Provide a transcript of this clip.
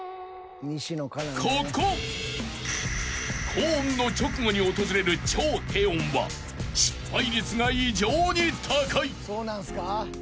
［高音の直後に訪れる超低音は失敗率が異常に高い］